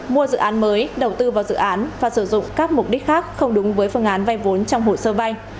mua dự án mới đầu tư vào dự án và sử dụng các mục đích khác không đúng với phương án vay vốn trong hồ sơ vay